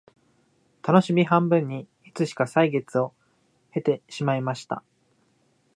たのしみ半分にいつしか歳月を経てしまいました